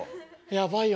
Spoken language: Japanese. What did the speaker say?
やばいよ。